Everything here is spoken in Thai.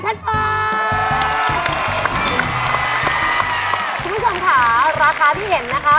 คุณผู้ชมค่ะราคาที่เห็นนะคะ